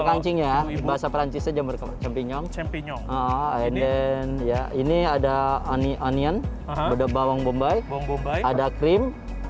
kancing ya bahasa perancisnya jamur campignon campignon ini ada onion bawang bombay ada cream